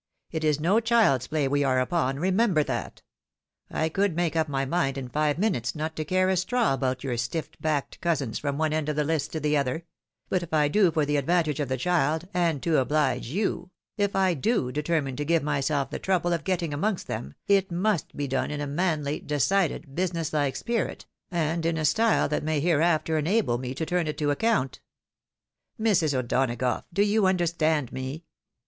It is no child's play we are upon, remember that. I could make up my mind in five minutes, not to care a straw about your stiff backed cousins from one end of the list to the other ; but if I do for the advantage of the child, and to obhge you, if I do determine to give myself the trouble of getting amongst them, it must be done in a manly, decided, business Uke spirit, and in a style that may hereafter enable me to turn it to account. Mrs. O'Donagough, do you understand me